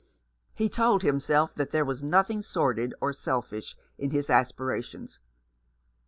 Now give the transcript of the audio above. He told himself that there was nothing sordid or selfish in his aspirations.